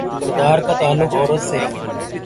کردار کا تعلق عورت سے ہے۔